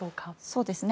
そうですね。